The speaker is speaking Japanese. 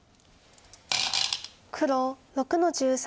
黒６の十三。